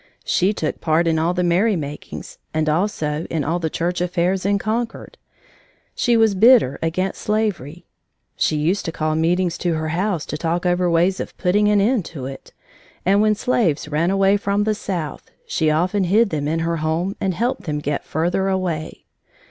She took part in all the merry makings and also in all the church affairs in Concord. She was bitter against slavery. She used to call meetings at her house to talk over ways of putting an end to it, and when slaves ran away from the South, she often hid them in her home and helped them get further away.